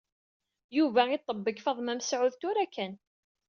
Yuba iṭebbeg Faḍma Mesɛud tura kan.